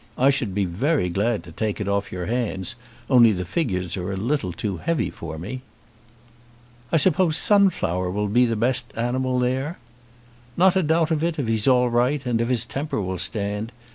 I should be very glad to take it off your hands, only the figures are a little too heavy for me." "I suppose Sunflower'll be the best animal there?" "Not a doubt of it, if he's all right, and if his temper will stand.